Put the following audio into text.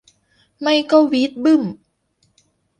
ไม่ก็วี๊ดบึ๊ม